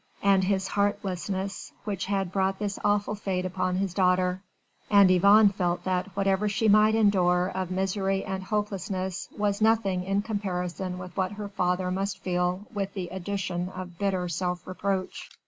and his heartlessness which had brought this awful fate upon his daughter. And Yvonne felt that whatever she might endure of misery and hopelessness was nothing in comparison with what her father must feel with the addition of bitter self reproach.